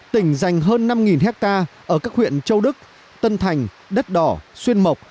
tỉnh dành hơn năm hectare ở các huyện châu đức tân thành đất đỏ xuyên mộc